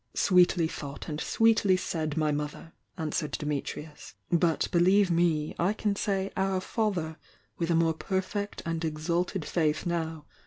"Sweetly thought and sweetly said, my Mother'" answered Dimitrius. "But, believe me, I can say Our Father with a more perfect and exalted faith TZ wk"?